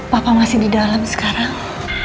papa masih di dalam sekarang